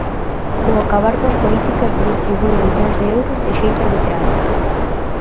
Ou acabar coas políticas de distribuír millóns de euros de xeito arbitrario.